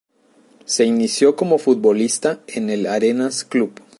Se inició como futbolista en el Arenas Club.